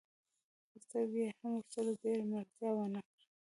خو سترګو يې هم ورسره ډېره ملتيا ونه کړه.